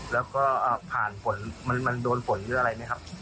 แล้วก็ผ่านผลมันโดนผลอะไรไหมครับ